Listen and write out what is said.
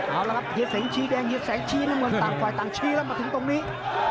เอาละครับเห็ดแสงชี้แดงจังหวันต่างไว้ต่างชี้แล้วมาถึงตรงนี้